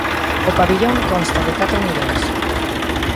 O Pavillón consta de catro niveis.